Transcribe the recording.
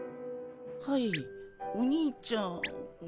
はいお兄ちゃん？